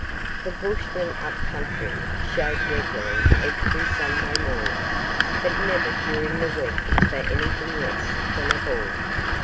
The bushmen up country shaved regularly every Sunday morning, but never during the week for anything less than a ball.